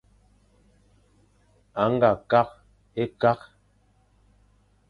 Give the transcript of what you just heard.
A nga kakh-e-kakh.